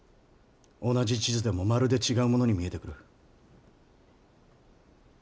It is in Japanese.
同じ地図でもまるで違うものに見えてくる。